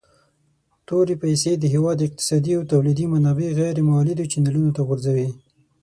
تورې پیسي د هیواد اقتصادي او تولیدي منابع غیر مولدو چینلونو ته غورځوي.